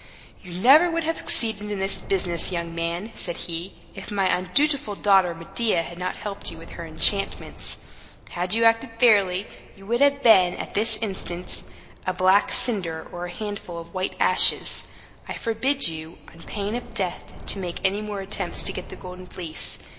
"You never would have succeeded in this business, young man," said he, "if my undutiful daughter Medea had not helped you with her enchantments. Had you acted fairly, you would have been, at this instant, a black cinder, or a handful of white ashes. I forbid you, on pain of death, to make any more attempts to get the Golden Fleece.